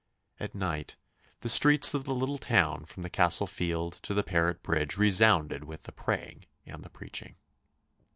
At night the streets of the little town from the Castle Field to the Parret Bridge resounded with the praying and the preaching.